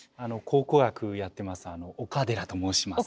考古学やってます岡寺と申します。